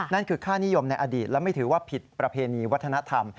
นั่นคือค่านิยมในอดีตและไม่ถือว่าผิดประเพณีวัฒนธรรม